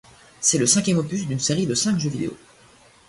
C'est le cinquième opus d'une série de cinq jeux vidéo.